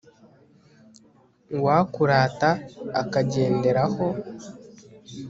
uwakurata akagenderaho